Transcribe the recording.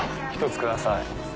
１つください。